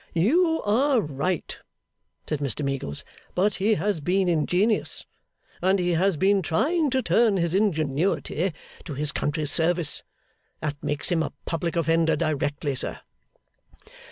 'You are right,' said Mr Meagles. 'But he has been ingenious, and he has been trying to turn his ingenuity to his country's service. That makes him a public offender directly, sir.